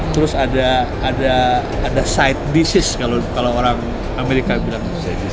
terus ada side disease kalau orang amerika bilang